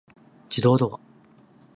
自動ドア